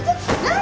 何？